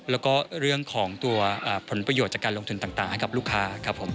แล้วก็เรื่องของตัวผลประโยชน์จากการลงทุนต่างให้กับลูกค้าครับผม